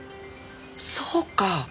そうか。